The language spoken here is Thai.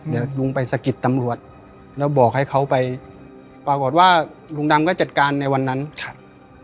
เดี๋ยวลุงไปสะกิดตำรวจแล้วบอกให้เขาไปปรากฏว่าลุงดำก็จัดการในวันนั้นครับ